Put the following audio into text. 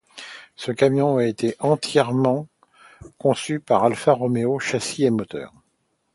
Ce camion a été entièrement conçu par Alfa Romeo, châssis et moteur.